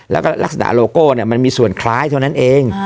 แล้วก็ลักษณะโลโก้มันมีส่วนคล้ายเท่านั้นเอง